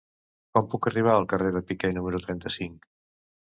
Com puc arribar al carrer de Piquer número trenta-cinc?